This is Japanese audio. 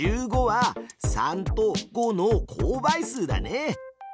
１５は３と５の公倍数だね！